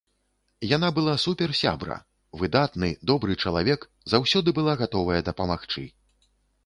Яна была суперсябра, выдатны, добры чалавек, заўсёды была гатовая дапамагчы.